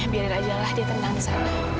biarin aja lah dia tenang disana